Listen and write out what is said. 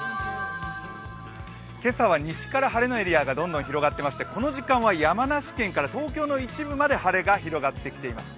今朝は西から晴れのエリアがどんどん広がっていましてこの時間は山梨県から東京の一部まで晴れが広がっています。